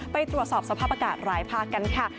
ไปตรวจสอบสภาพอากาศหลายภาคกันค่ะ